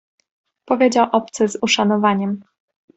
"powiedział obcy z uszanowaniem."